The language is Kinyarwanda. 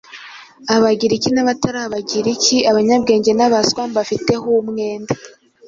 Abagiriki n’abatari Abagiriki, abanyabwenge n’abaswa, mbafiteho umwenda.